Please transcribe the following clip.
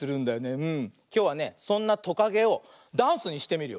きょうはねそんなトカゲをダンスにしてみるよ。